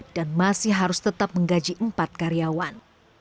dan masih harus tetap menggaji empat karyawan